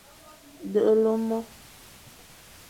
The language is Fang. Deghle mo.